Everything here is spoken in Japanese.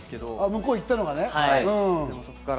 向こう行ったのがね。